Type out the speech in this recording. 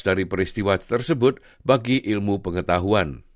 dari peristiwa tersebut bagi ilmu pengetahuan